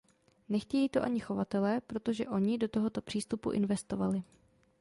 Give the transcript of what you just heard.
Nechtějí to ani chovatelé, protože oni do tohoto přístupu investovali.